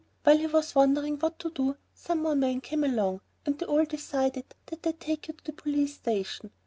While he was wondering what to do, some more men came along, and they all decided that they'd take you to the police station.